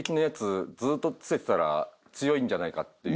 ずーっとつけてたら強いんじゃないかっていう。